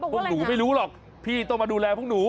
พวกหนูไม่รู้หรอกพี่ต้องมาดูแลพวกหนู